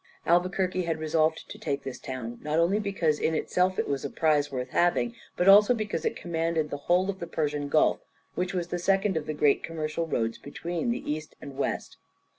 Albuquerque had resolved to take this town, not only because in itself it was a prize worth having, but also because it commanded the whole of the Persian Gulf, which was the second of the great commercial roads between the East and West.